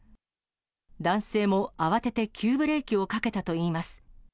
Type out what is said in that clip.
男性も慌てて急ブレーキをかけたといいます。